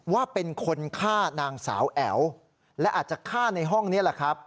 ว่าเป็นคนฆ่านางสาวแอ๋วและอาจจะฆ่าในห้องนี้แหละครับ